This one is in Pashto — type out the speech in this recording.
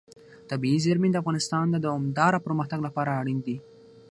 طبیعي زیرمې د افغانستان د دوامداره پرمختګ لپاره اړین دي.